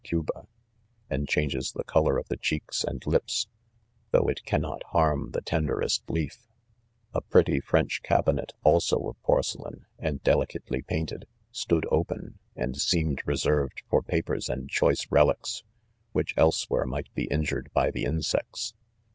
Gmb& f : and changes ■ the' colon? \^ ^faeuclm^s'm§M§iB^ though it cannot harm the tenderest leaf, ('a)' ■ A pretty French cabinet, also of porcelain, • and 'delicately, painted; stood open, and •seem • ed< reserved for; papers^nd choice relics, which ■• elsewhere might be 'injured by the: insects.